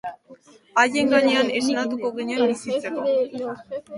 Haien gainean esnatuko ginen bizitzeko.